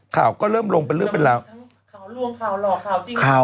เท่าเริ่มลงกันเป็นเรื่องเป็นการ